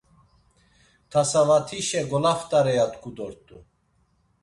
Tasavatişe golaft̆are ya t̆ǩu dort̆u.